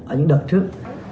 ở những đợt trước